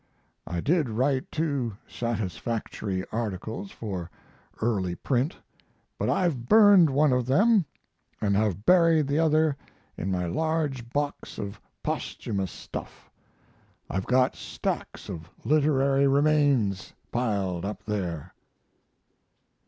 I did write two satisfactory articles for early print, but I've burned one of them & have buried the other in my large box of posthumous stuff. I've got stacks of literary remains piled up there.